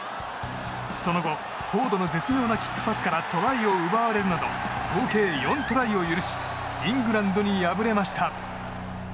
その後フォードの絶妙なキックパスからトライを奪われるなど合計４トライを許しイングランドに敗れました。